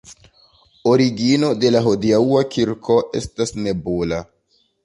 Origino de la hodiaŭa kirko estas nebula.